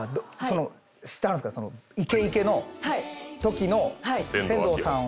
イケイケのときの千堂さんを。